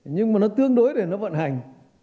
nhưng mà nó tương đối để nó vận hành